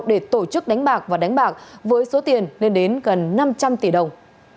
để tổ chức đánh bạc và đánh bạc với số tiền lên đến gần năm trăm linh tỷ đồng